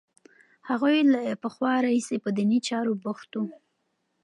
هغوی له پخوا راهیسې په دیني چارو بوخت وو.